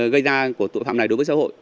gây ra của tội phạm này đối với xã hội